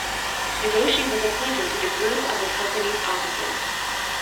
Nagoshi was appointed to the group of the company's officers.